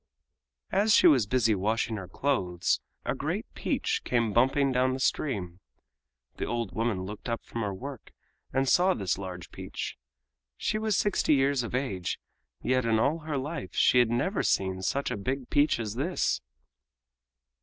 As she was busy washing her clothes a great peach came bumping down the stream. The old woman looked up from her work and saw this large peach. She was sixty years of age, yet in all her life she had never seen such a big peach as this.